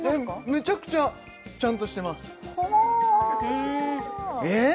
めちゃくちゃちゃんとしてますほおえっ？